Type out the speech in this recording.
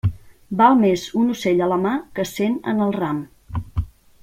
Val més un ocell a la mà que cent en el ram.